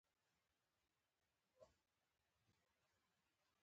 افغانستان کې د وحشي حیواناتو د پرمختګ هڅې روانې دي.